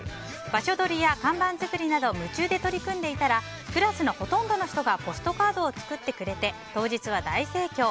場所どりや看板作りなど夢中で取り組んでいたらクラスのほとんどの人がポストカードを作ってくれて当日は大盛況。